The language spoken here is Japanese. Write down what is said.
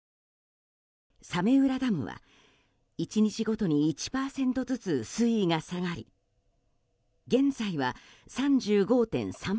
早明浦ダムは１日ごとに１％ずつ水位が下がり現在は３５．３％。